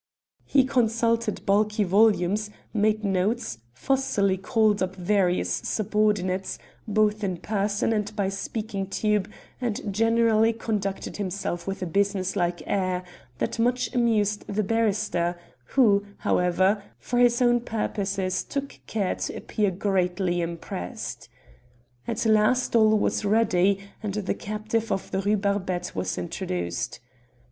He consulted bulky volumes, made notes, fussily called up various subordinates, both in person and by speaking tube, and generally conducted himself with a business like air that much amused the barrister, who, however, for his own purposes took care to appear greatly impressed. At last all was ready, and the captive of the Rue Barbette was introduced.